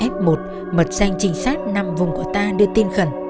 f một mật danh trình sát năm vùng của ta đưa tin khẩn